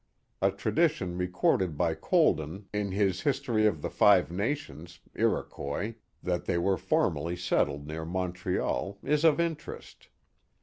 A tradition recorded by Colden in his his tory of the Five Nations (Iroquois), that they were formerly settled near Montreal, is of interest.